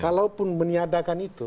kalaupun meniadakan itu